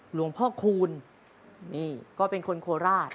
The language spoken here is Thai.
หลวงพ่อคูณนี่ก็เป็นคนโคราช